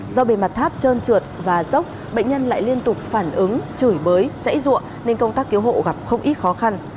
do bề mặt tháp trơn trượt và dốc bệnh nhân lại liên tục phản ứng chửi bới dãy rụa nên công tác cứu hộ gặp không ít khó khăn